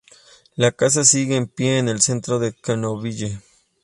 La casa sigue en pie en el centro de Knoxville.